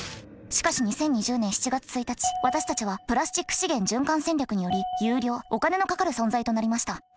しかし２０２０年７月１日私たちはプラスチック資源循環戦略により有料お金のかかる存在となりました。